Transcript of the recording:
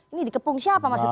ini dikepung siapa maksudnya